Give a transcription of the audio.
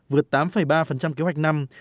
vượt tám ba kế hoạch năm